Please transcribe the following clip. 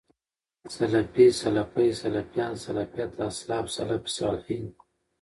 سلفي، سلفۍ، سلفيان، سلفيَت، اسلاف، سلف صالحين